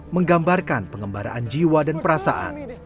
menggambarkan pengembaraan jiwa dan perasaan